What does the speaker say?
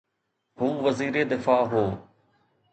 هو وزير دفاع هو.